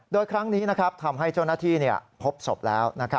โดยครั้งนี้ทำให้เจ้าหน้าที่พบศพแล้ว